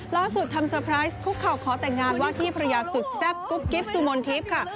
ล่าสุดทำสเตอร์ไพรส์คุกเขาขอแต่งงานวาธิภรรยาสุดแซ่บกุ๊บกิ๊บสุมนติฟค่ะ